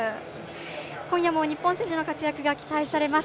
今夜も日本選手の活躍が期待されます。